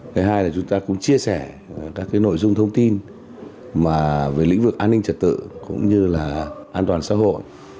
thứ hai là chúng ta cũng chia sẻ các nội dung thông tin về lĩnh vực an ninh trật tự cũng như là an toàn xã hội